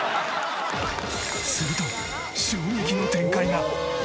すると衝撃の展開が。